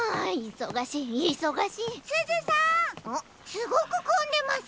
すごくこんでますね？